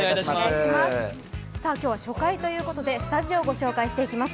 今日は初回ということでスタジオを御紹介していきます。